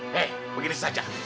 hei begini saja